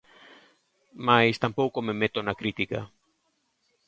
Mais tampouco me meto na crítica.